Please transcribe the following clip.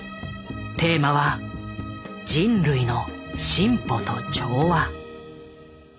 テーマは「人類の進歩と調和」。